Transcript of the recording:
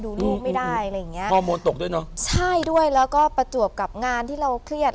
ลูกไม่ได้อะไรอย่างเงี้ยฮอร์โมนตกด้วยเนอะใช่ด้วยแล้วก็ประจวบกับงานที่เราเครียด